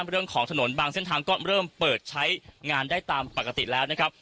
เรื่องของถนนบางเส้นทางก็เริ่มเปิดใช้งานได้ตามปกติแล้วนะครับ